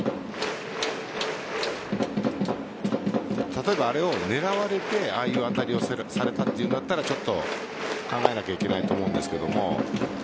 例えば、あれを狙われてああいう当たりをされたというんだったらちょっと考えないといけないと思うんですが。